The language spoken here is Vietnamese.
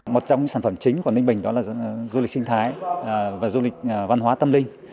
một trong những sản phẩm chính của ninh bình đó là du lịch sinh thái về du lịch văn hóa tâm linh